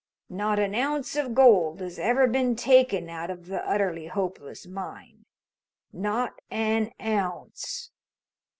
Not an ounce of gold has ever been taken out of the Utterly Hopeless Mine. Not an ounce."